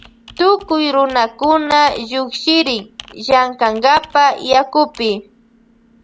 Tukuy runakuna llukshirin llankankapa yakupi.